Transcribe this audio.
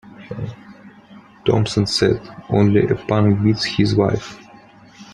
Thompson said: Only a punk beats his wife.